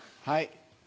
はい。